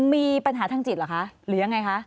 มีปัญหาทางจิตเหรอคะหรือยังไงคะ